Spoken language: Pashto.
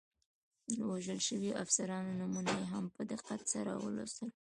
د وژل شویو افسرانو نومونه مې هم په دقت سره ولوستل.